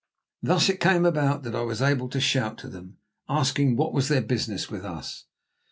Thus it came about that I was able to shout to them, asking what was their business with us.